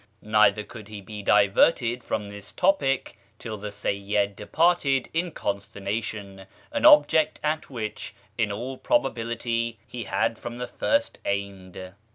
Neither could he be diverted from this topic till the Seyyid departed in consternation, an object at which, in all probability, he had from the first aimed.